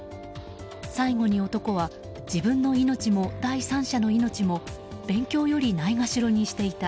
最後に男は自分の命も第三者の命も勉強よりないがしろにしていた。